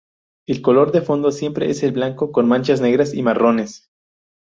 El color de fondo siempre es el blanco, con manchas negras y marrones.